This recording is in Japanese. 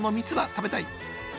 食べたい！